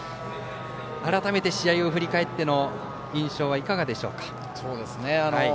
改めて試合を振り返っての印象はいかがでしょうか。